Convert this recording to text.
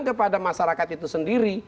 kepada masyarakat itu sendiri